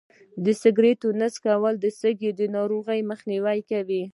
د سګرټ نه څکول د سږو د ناروغۍ مخنیوی کوي.